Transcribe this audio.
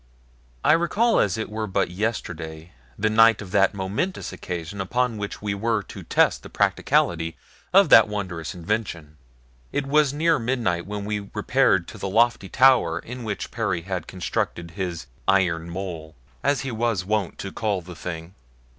I recall as it were but yesterday the night of that momentous occasion upon which we were to test the practicality of that wondrous invention. It was near midnight when we repaired to the lofty tower in which Perry had constructed his "iron mole" as he was wont to call the thing.